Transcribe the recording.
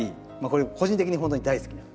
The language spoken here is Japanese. これ個人的にほんとに大好きな。